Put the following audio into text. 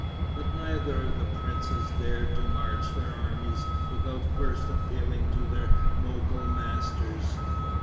But neither of the princes dared to march their armies without first appealing to their Mogol masters.